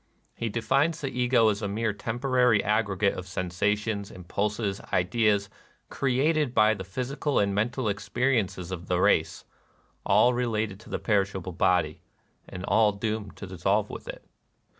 He defines the Ego as a mere temporary ag gregate of sensations, impulses, ideas, created by the physical and mental experiences of the race, — all related to the perishable body, and all doomed to dissolve with it.